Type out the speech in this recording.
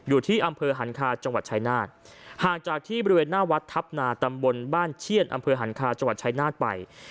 อยู่ที่อำเภอหันคาจังหวัดชายนาฏห่างจากที่บริเวณหน้าวัดทัพนาตำบลบ้านเชี่ยนอำเภอหันคาจังหวัดชายนาฏไป